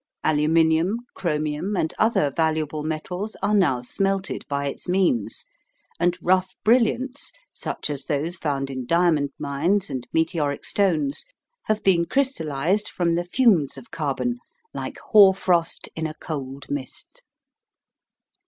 Aluminium, chromium, and other valuable metals are now smelted by its means, and rough brilliants such as those found in diamond mines and meteoric stones have been crystallised from the fumes of carbon, like hoar frost in a cold mist.